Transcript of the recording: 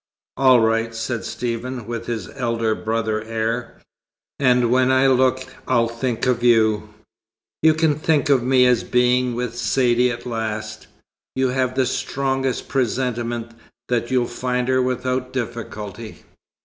"All right," said Stephen, with his elder brother air. "And when I look I'll think of you." "You can think of me as being with Saidee at last." "You have the strongest presentiment that you'll find her without difficulty."